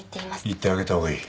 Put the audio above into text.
行ってあげた方がいい。